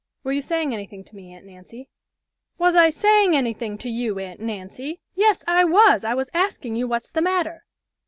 "Were you saying anything to me, Aunt Nancy?" "'Was I saying anything to you, Aunt Nancy?' Yes I was! I was asking you what's the matter?"